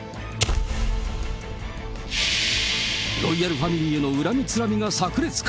ロイヤルファミリーへの恨みつらみがさく裂か。